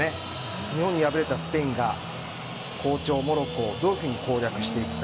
日本に敗れたスペインが好調・モロッコをどういうふうに攻略していくか。